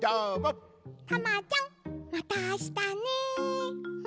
タマちゃんまたあしたね。